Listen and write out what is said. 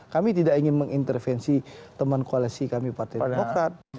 kami tidak ingin mengintervensi teman koalisi kami partai demokrat